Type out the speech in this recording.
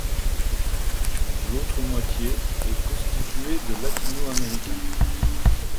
L'autre moitié est constituée de latinos américains.